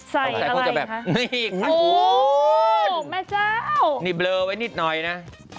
ใส่อะไรคะโอ้โฮแม่เจ้านี่เบลอไว้นิดหน่อยนะ